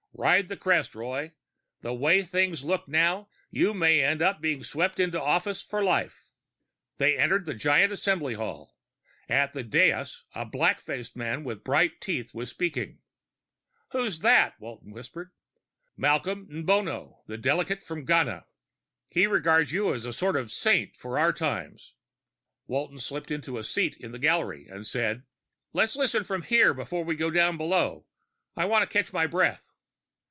Ride the crest, Roy. The way things look now, you may end up being swept into office for life." They entered the giant Assembly hall. At the dais, a black faced man with bright teeth was speaking. "Who's that?" Walton whispered. "Malcolm Nbono, the delegate from Ghana. He regards you as a sort of saint for our times." Walton slipped into a seat in the gallery and said, "Let's listen from here before we go down below. I want to catch my breath."